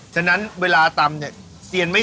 ฉะนั้นเวลาตำ